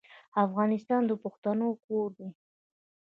افغانستان د پښتنو کور دی.